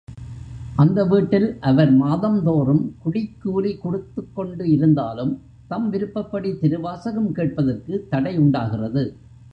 அந்த வீட்டில் அவர் மாதந்தோறும் குடிக்கூலி கொடுத்துக் கொண்டு இருந்தாலும், தம் விருப்பப்படி திருவாசகம் கேட்பதற்கு தடை உண்டாகிறது.